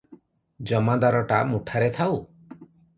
ଜମାଦାରଟା ମୁଠାରେ ଥାଉ